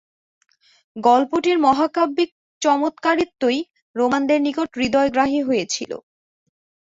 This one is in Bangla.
গল্পটির মহাকাব্যিক চমৎকারিত্বই রোমানদের নিকট হৃদয়গ্রাহী হয়েছিল।